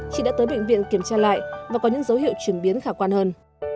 chị đã tới bệnh viện kiểm tra lại và có những dấu hiệu chuyển biến khả quan hơn